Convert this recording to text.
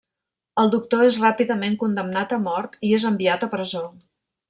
El doctor és ràpidament condemnat a mort i és enviat a presó.